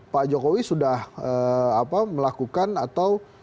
pak jokowi sudah melakukan atau